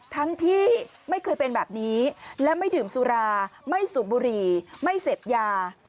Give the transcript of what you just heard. ทั้งที่ไม่เคยเป็นแบบนี้และไม่ดื่มสุราไม่สูบบุหรี่ไม่เสพยา